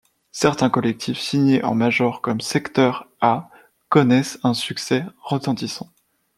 Certains collectifs signés en major comme Secteur Ä connaissent un succès retentissant.